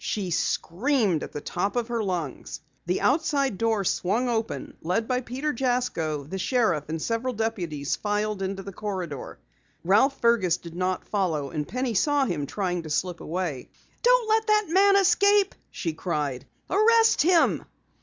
She screamed at the top of her lungs. The outside door swung open. Led by Peter Jasko, the sheriff and several deputies filed into the corridor. Ralph Fergus did not follow, and Penny saw him trying to slip away. "Don't let that man escape!" she cried. "Arrest him!"